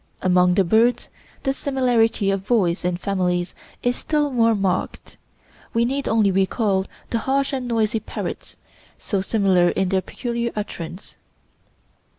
Among the birds, this similarity of voice in families is still more marked. We need only recall the harsh and noisy parrots, so similar in their peculiar utterance.